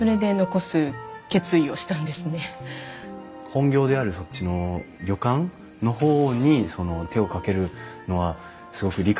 本業であるそっちの旅館の方に手を掛けるのはすごく理解できるんですよ。